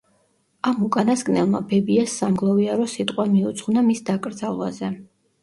ამ უკანასკნელმა ბებიას სამგლოვიარო სიტყვა მიუძღვნა მის დაკრძალვაზე.